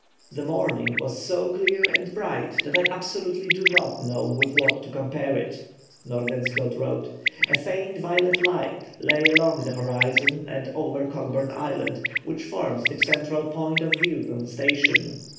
"The morning was so clear and bright that I absolutely do not know with what to compare it," Nordenskjold wrote. "A faint violet light lay along the horizon and over Cockburn Island, which forms the central point of view from the station.